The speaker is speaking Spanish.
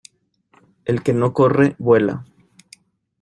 El que no corre vuela.